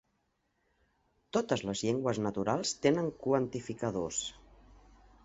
Totes les llengües naturals tenen quantificadors.